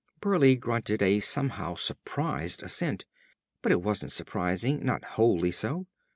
Burleigh grunted a somehow surprised assent. But it wasn't surprising; not wholly so.